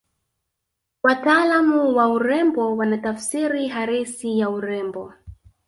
wataalamu wa urembo wana tafsiri halisi ya urembo